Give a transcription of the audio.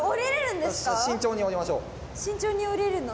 慎重に下りるの？